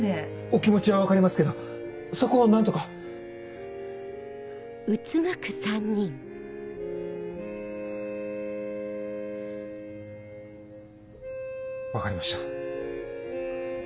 お気持ちは分かりますけどそこを何とか。分かりました。